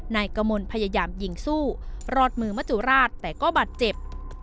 นายกมลพยายามยิงสู้รอดมือมจุราชแต่ก็บาดเจ็บ